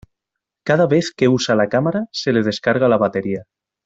Cada vez que usa la cámara se le descarga la batería.